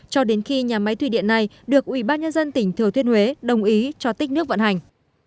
cho đến khi nhà máy thủy điện này được ubnd tỉnh thừa thiên huế đồng ý cho tích nước vận hành